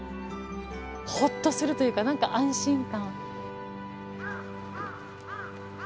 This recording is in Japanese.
ほっとするというか何か安心感。